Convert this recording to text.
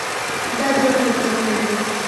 دا دوه ټوکرونه دي.